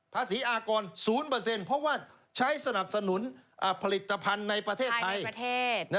ภาษีอากร๐เพราะว่าใช้สนับสนุนผลิตภัณฑ์ในประเทศไทย